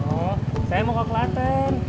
oh saya mau ke klaten